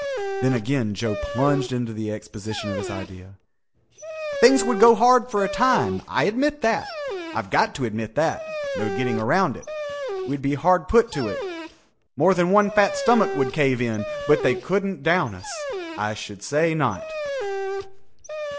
Then again Joe plunged into the exposition of his idea. "Things would go hard for a time. I admit that. I've got to admit that. No getting around it. We'd be hard put to it. More than one fat stomach would cave in. But they couldn't down us. I should say not."